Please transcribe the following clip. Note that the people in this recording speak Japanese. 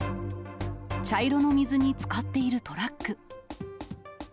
茶色の水につかっているトラック。